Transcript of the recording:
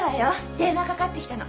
電話かかってきたの。